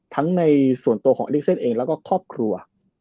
ในส่วนตัวของอลิกเซนเองแล้วก็ครอบครัว